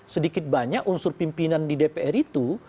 sedikit banyak unsur pimpinan di dpr itu